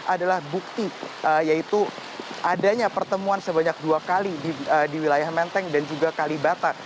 adalah bukti yaitu adanya pertemuan sebanyak dua kali di wilayah menteng dan juga kalibata